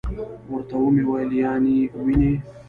ورته ومي ویل: یا نې وینې .